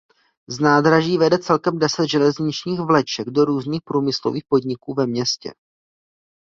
Z nádraží vede celkem deset železničních vleček do různých průmyslových podniků ve městě.